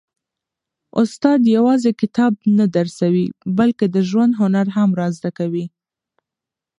استاد یوازي کتاب نه درسوي، بلکي د ژوند هنر هم را زده کوي.